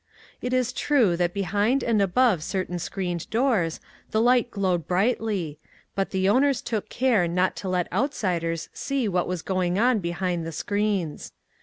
It is true that behind and above certain screened doors the light glowed brightly, but the owners took care not to let out 7 8 ONE COMMONPLACE DAY. siders see what was going on behind the screens.